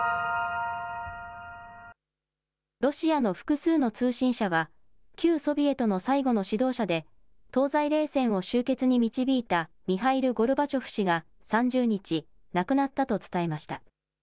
ロシアの複数の通信社は、旧ソビエトの最後の指導者で、東西冷戦を終結に導いたミハイル・ゴルバチョフ氏が３０日、亡くなったと伝えました。